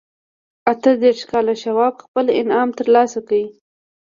اته دېرش کلن شواب خپل انعام ترلاسه کړ